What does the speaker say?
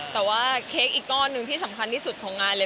แต่ว่าเค้กอีกก้อนหนึ่งที่สำคัญที่สุดของงานเลย